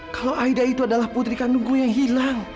kalau aida itu adalah putri kandungku yang hilang